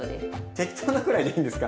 適当なくらいでいいんですか？